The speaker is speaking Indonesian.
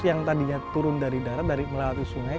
mata pencarian utama di sini